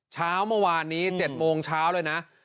เช้าเมื่อวานนี้๗โมงเช้าเลยนะ